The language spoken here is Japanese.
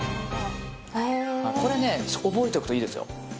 これ覚えておくといいですよ。